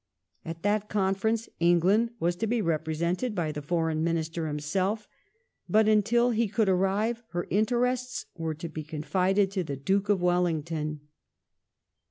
At that conference England was to be repre sented.by the Foreign Minister himself, but until he could arrive her interests were to be confided to the Duke of Wellington.